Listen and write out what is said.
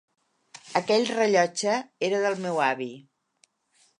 Aquell rellotge era del meu avi.